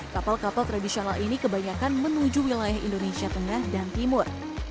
kapal kapal tradisional ini kebanyakan menuju wilayah indonesia tengah dan timur